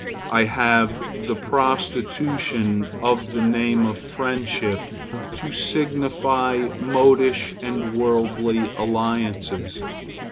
I hate the prostitution of the name of friendship to signify modish and worldly alliances.